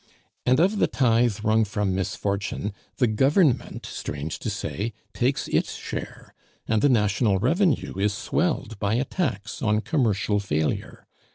And of the tithe wrung from misfortune, the Government, strange to say! takes its share, and the national revenue is swelled by a tax on commercial failure.